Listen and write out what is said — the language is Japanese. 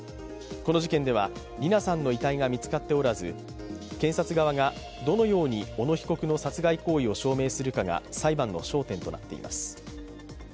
この事件では理奈さんの遺体が見つかっておらず検察側がどのように小野被告の殺害行為を証明するかが裁判の焦点となっています。